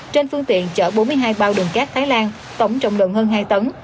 trên phương tiện chở bốn mươi hai bao đường cát thái lan tổng trọng lượng hơn hai tấn